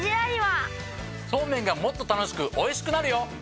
そうめんがもっと楽しくおいしくなるよ！